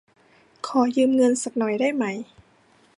ขอยืมเงินซักหน่อยได้ไหม